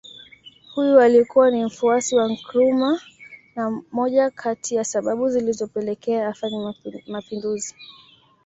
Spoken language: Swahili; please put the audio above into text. Huyu alikuwa ni mfuasi wa Nkrumah na moja kati ya sababu zilizopelekea afanye Mapinduzi